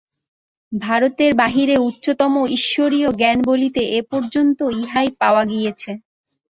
ভারতের বাহিরে উচ্চতম ঈশ্বরীয় জ্ঞান বলিতে এ পর্যন্ত ইহাই পাওয়া গিয়াছে।